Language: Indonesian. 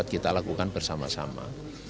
kita lakukan bersama sama